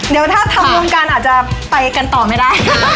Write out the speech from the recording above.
เดี๋ยวถ้าทำวงการอาจจะไปกันต่อไม่ได้